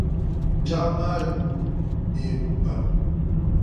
Biɛɣu maa yuugi neebu pam.